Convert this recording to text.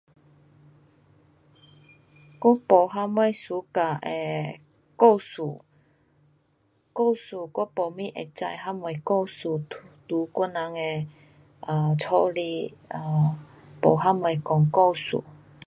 我不怎么[喜欢 ]um 故事。故事我不知道什么故事在我们的家里没有怎么讲故事